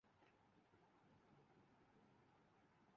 وہ پیچھے کے پیچھے۔